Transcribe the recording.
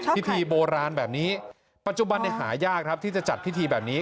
พิธีโบราณแบบนี้ปัจจุบันหายากครับที่จะจัดพิธีแบบนี้